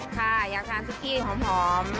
ค่ะอยากทานซุกี้หอม